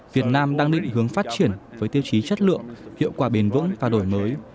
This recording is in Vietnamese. việt nam đang định hướng phát triển với tiêu chí chất lượng hiệu quả bền vững và đổi mới